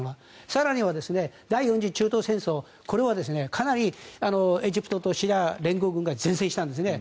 更に第４次中東戦争これはかなりエジプトとシリア連合軍が善戦したんですね。